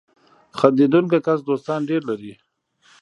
• خندېدونکی کس دوستان ډېر لري.